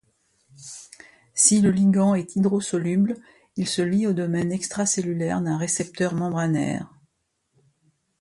Si le ligand est hydrosoluble, il se lie au domaine extracellulaire d'un récepteur membranaire.